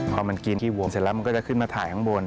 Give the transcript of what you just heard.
พอมันกินที่วงเสร็จแล้วมันก็จะขึ้นมาถ่ายข้างบน